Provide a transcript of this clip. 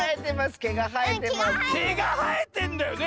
けがはえてんのよね。